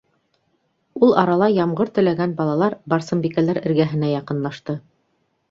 Ул арала ямғыр теләгән балалар Барсынбикәләр эргәһенә яҡынлашты: